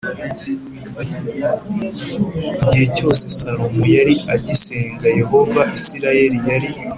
Igihe cyose salomo yari agisenga yehova isirayeli yari